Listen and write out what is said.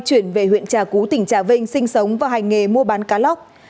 chuyển về huyện trà cú tỉnh trà vinh sinh sống và hành nghề mua bán cá lóc